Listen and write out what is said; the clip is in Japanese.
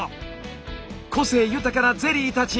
個性豊かなゼリーたち。